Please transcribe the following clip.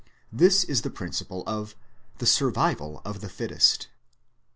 This is the prin ciple of " the survival of the fittest."